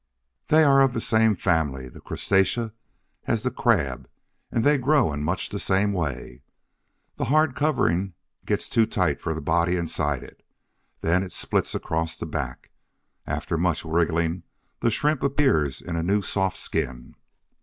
They are of the same family the crustacea as the crab; and they grow in much the same way. The hard covering gets too tight for the body inside it. Then it splits across the back. After much wriggling, the Shrimp appears in a new soft skin.